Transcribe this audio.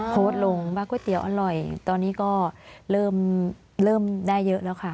โพสต์ลงว่าก๋วยเตี๋ยวอร่อยตอนนี้ก็เริ่มได้เยอะแล้วค่ะ